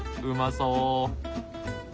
うまそう。